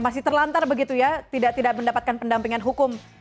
masih terlantar begitu ya tidak tidak mendapatkan pendampingan hukum